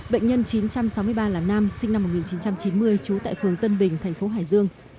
bệnh nhân chín trăm sáu mươi ba là nam sinh năm một nghìn chín trăm chín mươi trú tại phường tân bình thành phố hải dương